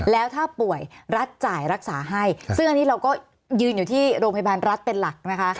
แล้วถ้าป่วยรัฐจ่ายรักษาให้ซึ่งอันนี้เราก็ยืนอยู่ที่โรงพยาบาลรัฐเป็นหลักนะคะ